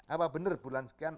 apa benar bulan sekian